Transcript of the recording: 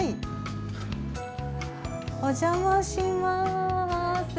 お邪魔します。